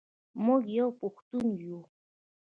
موږ یو پښتون یو.